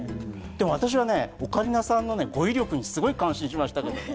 でもね、私はオカリナさんの語彙力にすごく感心しました。